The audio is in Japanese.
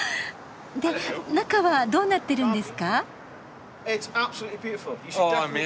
で中はどうなってるんですか？